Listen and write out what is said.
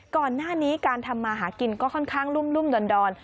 ก่อนหน้านี้การทำมาหากินก็ค่อนข้างรุ่มดอน